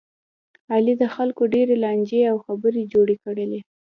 علي د خلکو ډېرې لانجې او خبې جوړې کړلې.